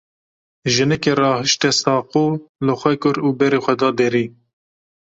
Jinikê rahişte saqo, li xwe kir û berê xwe da derî.